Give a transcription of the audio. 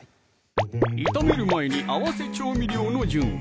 炒める前に合わせ調味料の準備